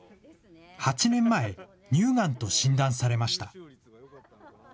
８年前、乳がんと診断されました。